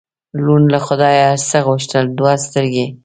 ړوند له خدایه څه غوښتل؟ دوه سترګې.